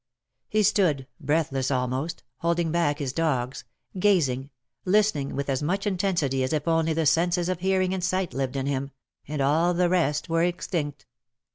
He stood, breathless almost, holding back his dogs, gazing, listening with as much intensity as if only the senses of hearing and sight lived in him — and all the rest were extinct.